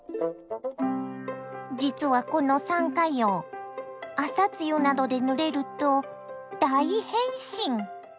実はこのサンカヨウ朝露などでぬれると大変身！